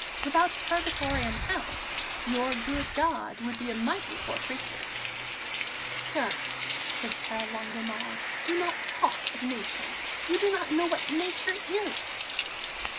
Without purgatory and hell, your good God would be a mighty poor creature." "Sir," said the Père Longuemare, "do not talk of Nature; you do not know what Nature is."